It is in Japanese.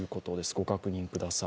ご確認ください。